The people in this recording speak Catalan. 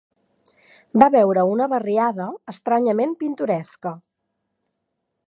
Va veure una barriada estranyament pintoresca